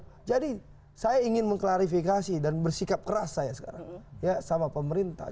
jangan takut takutin orang ya ya saya ingin mengklarifikasi dan bersikap keras saya sekarang ya sama pemerintah